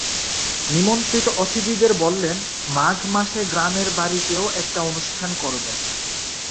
নিমন্ত্রিত অতিথিদের বললেন, মাঘ মাসে গ্রামের বাড়িতেও একটা অনুষ্ঠান করবেন।